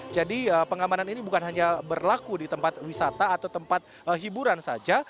jadi pengamanan ini bukan hanya berlaku di tempat wisata atau tempat hiburan saja